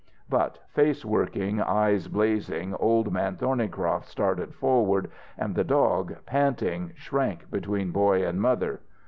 But, face working, eyes blazing, Old Man Thornycroft started forward, and the dog, panting, shrank between boy and mother.